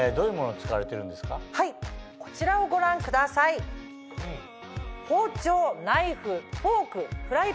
こちらをご覧ください。などです。